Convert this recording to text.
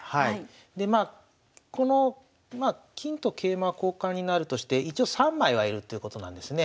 でまあこの金と桂馬は交換になるとして一応３枚は居るっていうことなんですね。